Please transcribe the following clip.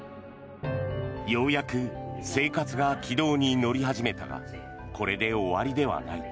ようやく生活が軌道に乗り始めたがこれで終わりではない。